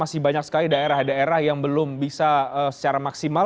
sekali sekali daerah daerah yang belum bisa secara maksimal